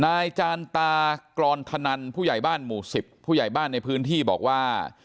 อาจารย์ตากรอนธนันผู้ใหญ่บ้านหมู่๑๐ผู้ใหญ่บ้านในพื้นที่บอกว่า